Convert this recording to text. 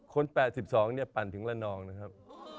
๘๒เนี่ยปั่นถึงละนองนะครับ